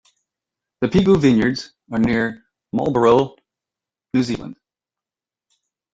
The Pigou vineyards are near Marlborough, New Zealand.